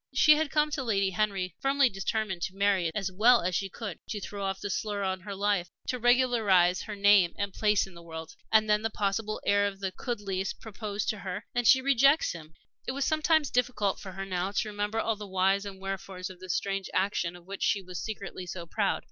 She had come to Lady Henry firmly determined to marry as soon and as well as she could to throw off the slur on her life to regularize her name and place in the world. And then the possible heir of the Chudleighs proposes to her and she rejects him! It was sometimes difficult for her now to remember all the whys and wherefores of this strange action of which she was secretly so proud.